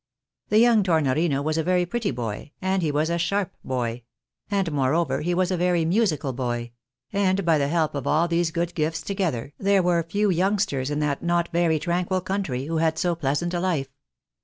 The young Tornorino was a very pretty boy, and he was a sharp boy ; and moreover he was a very musical boy ; and by the help of all these good gifts together, there were few youngsters in that not very tranquil country who had so pleasant a life.